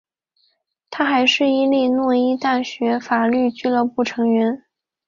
他还是伊利诺伊大学法律俱乐部成员。